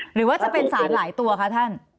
หรือว่าจะเป็นสารหลายตัวคะท่าน